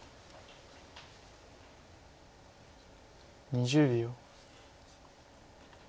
２０秒。